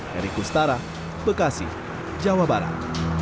heri kustara bekasi jawa barat